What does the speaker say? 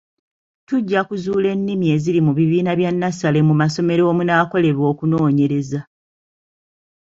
Tujja kuzuula ennimi eziri mu bibiina bya nnassale mu masomero omunaakolerwa okunoonyereza.